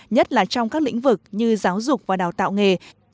nhất là trong các lĩnh vực như giáo dục và đào tạo nghề